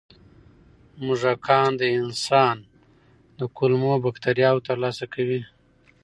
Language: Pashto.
موږکان د انسان د کولمو بکتریاوو ترلاسه کوي.